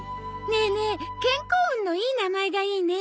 ねえねえ健康運のいい名前がいいね。